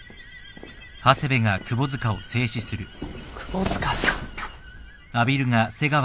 窪塚さん。